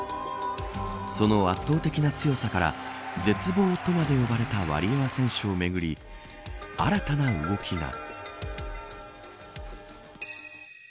その圧倒的な強さから絶望とまで呼ばれたワリエワ選手をめぐり新たな動きが。